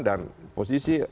dan posisi afsek